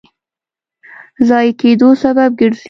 ضایع کېدو سبب ګرځي.